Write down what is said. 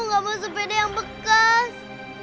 nggak mau sepeda yang bekas